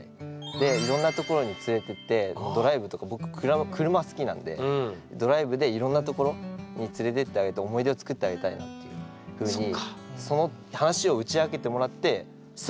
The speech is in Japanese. でいろんな所に連れてってドライブとか僕車好きなんでドライブでいろんな所に連れてってあげて思い出ををつくってあげたいなっていうふうにその話を打ち明けてもらってすぐ思いました。